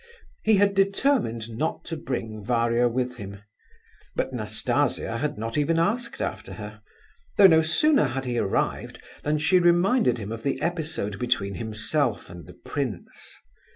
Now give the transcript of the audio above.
He had determined not to bring Varia with him; but Nastasia had not even asked after her, though no sooner had he arrived than she had reminded him of the episode between himself and the prince.